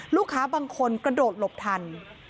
ลูกค้าบางคนกระโดดหลบทัน